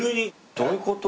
どういうこと？